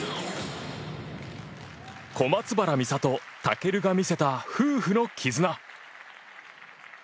小松原美里、尊が見せた夫婦の絆。